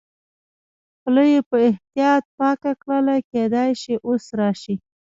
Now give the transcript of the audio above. خوله یې په احتیاط پاکه کړل، کېدای شي اوس راشي.